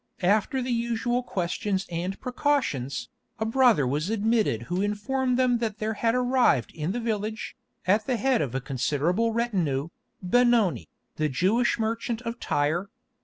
After the usual questions and precautions, a brother was admitted who informed them that there had arrived in the village, at the head of a considerable retinue, Benoni, the Jewish merchant of Tyre.